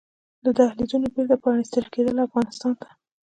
د دهلېزونو بېرته پرانيستل کیدل افغانستان ته